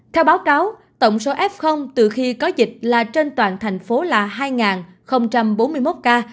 theo báo cáo tổng số f từ khi có dịch là trên toàn thành phố là hai bốn mươi một ca